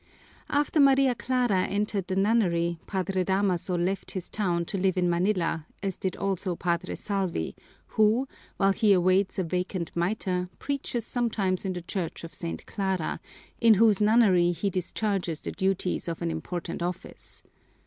After Maria Clara entered the nunnery, Padre Damaso left his town to live in Manila, as did also Padre Salvi, who, while he awaits a vacant miter, preaches sometimes in the church of St. Clara, in whose nunnery he discharges the duties of an important office.